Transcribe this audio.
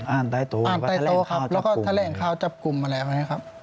อ่านใต้โตอ่านใต้โตครับแล้วก็ทะเลงคาวจับกลุ่มอะไรแบบนี้ครับ